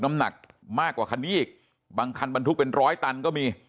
น้ำหนักมากกว่าคันนี้อีกบางคันบรรทุกเป็นร้อยตันก็มี